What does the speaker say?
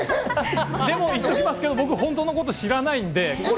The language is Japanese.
でも言っときますけど僕、本当のこと知らないんで。